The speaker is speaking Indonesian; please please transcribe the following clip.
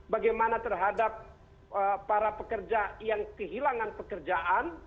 bagaimana terhadap para pekerja yang kehilangan pekerjaan